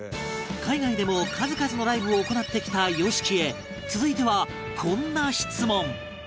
海外でも数々のライブを行ってきた ＹＯＳＨＩＫＩ へ続いてはこんな質問